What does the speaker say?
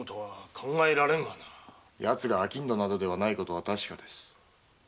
奴が商人などではないことは確かです。